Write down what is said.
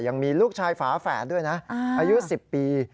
ยังมีลูกชายฝาแฝดด้วยนะอายุ๑๐ปี